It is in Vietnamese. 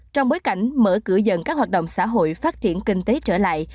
trong bối cảnh mở cửa dần các hoạt động xã hội phát triển kinh tế trở lại